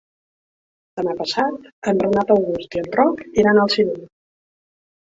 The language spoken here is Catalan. Demà passat en Renat August i en Roc iran al cinema.